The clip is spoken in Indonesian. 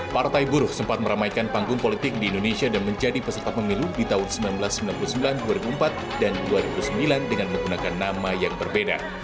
partai buruh sempat meramaikan panggung politik di indonesia dan menjadi peserta pemilu di tahun seribu sembilan ratus sembilan puluh sembilan dua ribu empat dan dua ribu sembilan dengan menggunakan nama yang berbeda